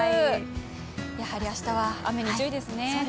やはり明日は、雨に注意ですね。